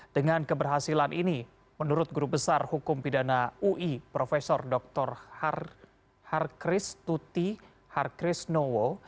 dengan keberhasilan ini menurut guru besar hukum pidana ui prof dr harkris tuti harkrisnowo